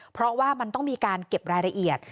เพราะว่ามันต้องมีการเก็บรายละเอียด